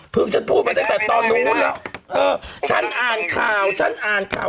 พึ่งฉันพูดมาตั้งแต่ตอนนู้นเหรอฉันอ่านข่าว